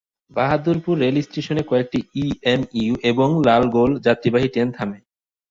বাহাদুরপুর রেলস্টেশনে কয়েকটি ইএমইউ এবং লালগোলা যাত্রীবাহী ট্রেন থামে।